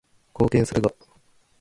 貢献するが